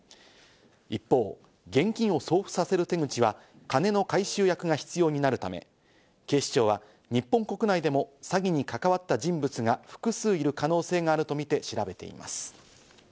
一方、現金を送付させる手口は金の回収役が必要になるため、警視庁は日本国内でも詐欺に関わった人物が複数いる可能性があるとみて調べています。